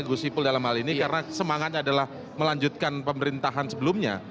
gus ipul dalam hal ini karena semangatnya adalah melanjutkan pemerintahan sebelumnya